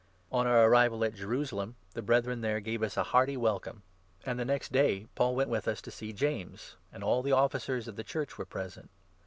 On our arrival 17 at Jerusalem, the Brethren there gave us a hearty welcome ; and the next day Paul went with us to see James, and all the 18 Officers of the Church were present.